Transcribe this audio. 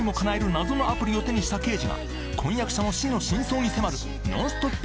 謎のアプリを手にした刑事が婚約者の死の真相に迫るノンストップ